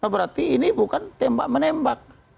berarti ini bukan tembak menembak